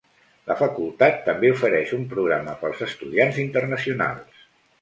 La facultat també ofereix un programa pels estudiants internacionals.